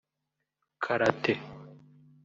Karate